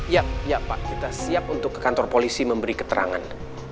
ya pak kita siap untuk ke kantor polisi memberi keterangan